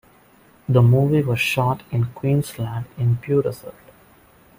The movie was shot in Queensland in Beaudesert.